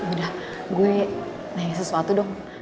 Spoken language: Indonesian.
udah gue nanya sesuatu dong